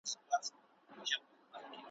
چي پر مځکه به را ولوېږې له پاسه ,